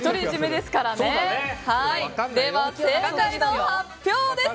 では正解の発表です！